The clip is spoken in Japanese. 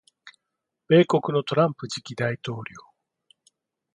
米国のトランプ次期大統領